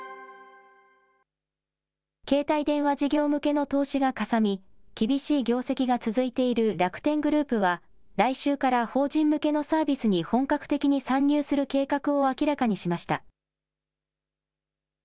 携帯電話事業向けの投資がかさみ、厳しい業績が続いている楽天グループは、来週から法人向けのサービスに本格的に参入する計画を明らかにしました。